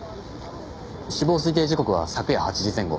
死亡推定時刻は昨夜８時前後。